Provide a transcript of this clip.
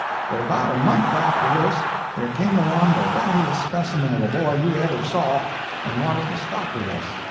But about a month after this there came along the rattiest specimen of a boy you ever saw, and wanted to stop with us.